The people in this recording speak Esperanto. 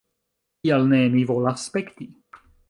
Kial ne? Mi volas spekti